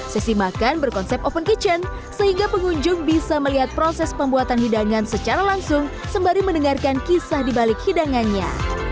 sesi makan berkonsep open kitchen sehingga pengunjung bisa melihat proses pembuatan hidangan secara langsung sembari mendengarkan kisah di balik hidangannya